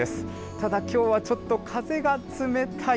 ただきょうは、ちょっと風が冷たい。